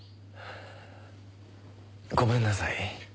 ごめんなさい。